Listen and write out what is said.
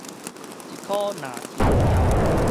一箍若天柱